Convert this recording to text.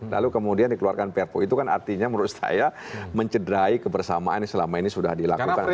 lalu kemudian dikeluarkan perpu itu kan artinya menurut saya mencederai kebersamaan yang selama ini sudah dilakukan